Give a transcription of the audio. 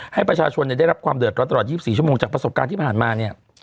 ให้ประชาชนได้รับความเดือดร้อนตลอด๒๔ชั่วโมงจากประสบการณ์ที่ผ่านมาเนี่ย